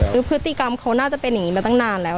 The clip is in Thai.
คือพฤติกรรมเขาน่าจะเป็นอย่างนี้มาตั้งนานแล้ว